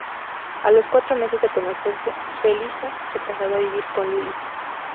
A los cuatro meses de conocerse, Felice se trasladó a vivir con Lilly.